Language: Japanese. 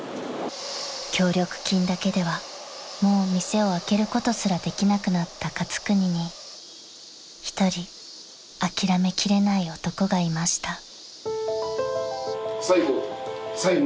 ［協力金だけではもう店を開けることすらできなくなったかつくにに一人諦めきれない男がいました］